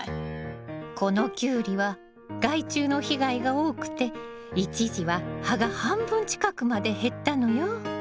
このキュウリは害虫の被害が多くて一時は葉が半分近くまで減ったのよ。